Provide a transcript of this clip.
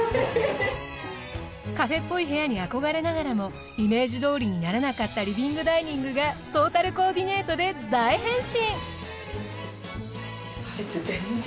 カフェっぽい部屋に憧れながらもイメージどおりにならなかったリビング・ダイニングがトータルコーディネートで大変身！